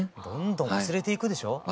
どんどん忘れていくでしょ？